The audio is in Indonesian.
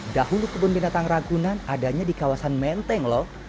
dahulu kebun binatang ragunan adanya di kawasan menteng lho